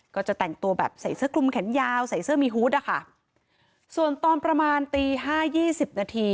ก็จะแต่งตัวแบบใส่เสื้อคลุมแขนยาวใส่เสื้อมีหุ้ดส่วนตอนประมาณตี๕๒๐นาที